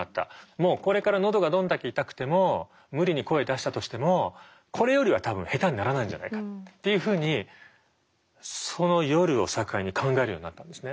もうこれから喉がどんだけ痛くても無理に声出したとしてもこれよりは多分下手にならないんじゃないかっていうふうにその夜を境に考えるようになったんですね。